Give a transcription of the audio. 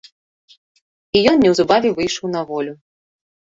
І ён неўзабаве выйшаў на волю.